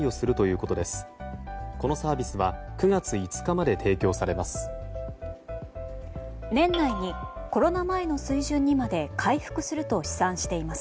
このサービスは９月５日まで提供されます。